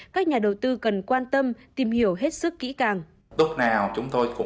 các nhà đầu tư cần quan tâm tìm hiểu hết sức kỹ càng